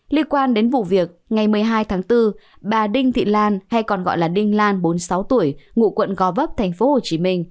liên quan đến vụ việc ngày một mươi hai tháng bốn bà đinh thị lan hay còn gọi là đinh lan bốn mươi sáu tuổi ngụ quận gò vấp tp hcm